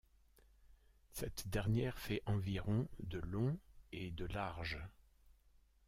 Cette dernière fait environ de long et de large.